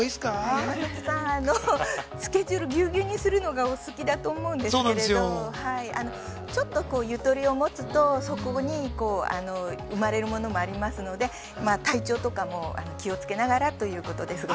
◆山里さんは、スケジュールぎゅうぎゅうにするのが、お好きだと思うんですけれども、ちょっとゆとりを持つと、そこに生まれるものもありますので、体調とかも気をつけながらということですけど。